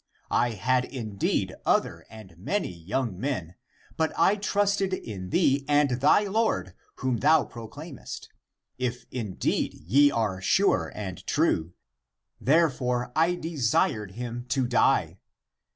I had indeed other and many young men; but I trusted in thee and thy Lord whom thou proclaim est, if indeed ye are sure and true: therefore I de sired him to die."